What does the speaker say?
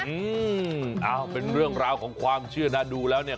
อืมเอาเป็นเรื่องราวของความเชื่อนะดูแล้วเนี่ย